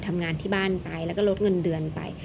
ทำงานที่บ้านไปแล้วก็ลดเงินเดือนไป